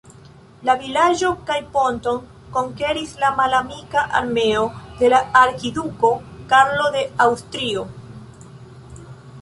La vilaĝon kaj ponton konkeris la malamika armeo de la arkiduko Karlo de Aŭstrio.